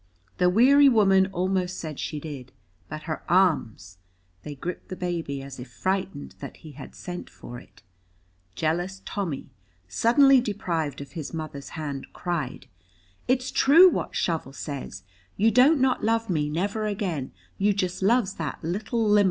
The weary woman almost said she did, but her arms they gripped the baby as if frightened that he had sent for it. Jealous Tommy, suddenly deprived of his mother's hand, cried, "It's true what Shovel says, you don't not love me never again; you jest loves that little limmer!"